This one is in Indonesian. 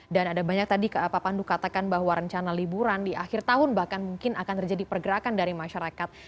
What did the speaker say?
dan ada banyak tadi pak pandu katakan bahwa rencana liburan di akhir tahun bahkan mungkin akan terjadi pergerakan dari masyarakat